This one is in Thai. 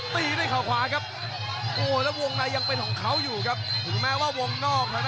มาแล้วครับโอ้แลกกันสนุกเลยครับ